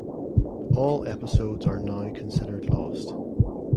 All episodes are now considered lost.